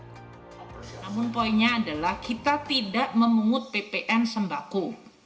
namun poinnya adalah kita tidak memungut ppn sembako